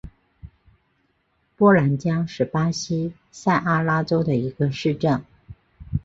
波兰加是巴西塞阿拉州的一个市镇。